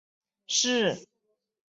康拉德一世。